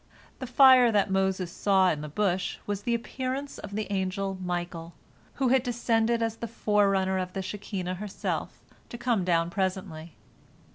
The fire that Moses saw in the bush was the appearance of the angel Michael, who had descended as the forerunner of the Shekinah herself to come down presently.